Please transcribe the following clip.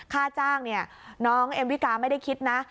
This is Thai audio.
ค่าจ้างเนี่ยน้องเอ็มวิกาไม่ได้คิดนะ